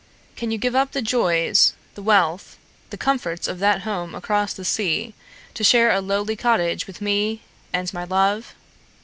"Can you give up the joys, the wealth, the comforts of that home across the sea to share a lowly cottage with me and my love?